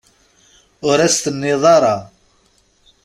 Ur as-t-tenniḍ ara.